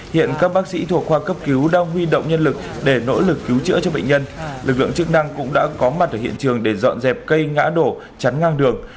hiện các bác sĩ thuộc khoa cấp cứu đang huy động nhân lực để nỗ lực cứu chữa cho bệnh nhân lực lượng chức năng cũng đã có mặt ở hiện trường để dọn dẹp cây ngã đổ chắn ngang đường